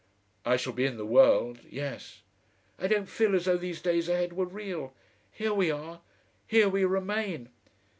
"I shall be in the world yes." "I don't feel as though these days ahead were real. Here we are, here we remain."